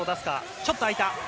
ちょっとあいた。